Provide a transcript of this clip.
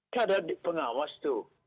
kadang pengawas itu